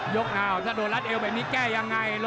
ยกอ้าวถ้าโดนละเอวแบบนี้แก้อย่างไร